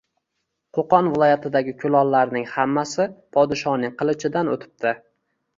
Qo‘qon viloyatidagi kulollarning hammasi podshoning qilichidan o‘tibdi